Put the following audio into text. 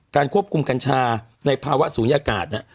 ควบคุมกัญชาในภาวะศูนยากาศ